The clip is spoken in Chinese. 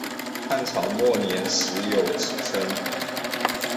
汉朝末年始有此称。